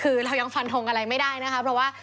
เรายังพันธงอะไรไม่ได้เพราะว่า